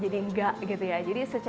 dan juga untuk mengembangkan mereka